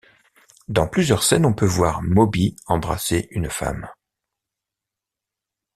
Dans plusieurs scènes, on peut voir Moby embrasser une femme.